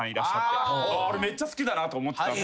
俺めっちゃ好きだなと思ってたんすけど。